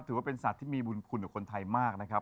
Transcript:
ถือว่าเป็นสัตว์ที่มีบุญคุณกับคนไทยมากนะครับ